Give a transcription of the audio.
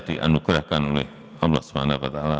dianugerahkan oleh allah swt